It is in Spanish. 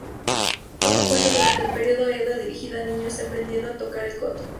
Fue compuesta durante el período Edo dirigida a niños aprendiendo a tocar el Koto.